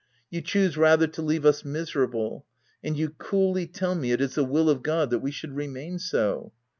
you choose rather to leave us miserable ; and you coolly tell me it is the will of God that we should remain so.